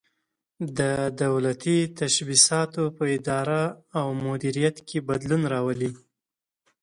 د دولتي تشبثاتو په اداره او مدیریت کې بدلون راولي.